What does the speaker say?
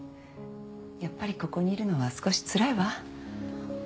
やっぱりここにいるのは少しつらいわ。